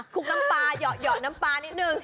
ลุกน้ำปลาเหยาะน้ำปลานิดนึง